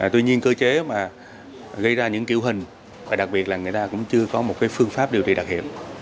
tuy nhiên cơ chế mà gây ra những kiểu hình và đặc biệt là người ta cũng chưa có một phương pháp điều trị đặc hiệu